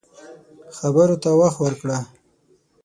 خبرو ته وخت ورکړه